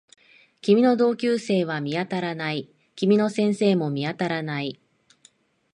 君の同級生は見当たらない。君の先生も見当たらない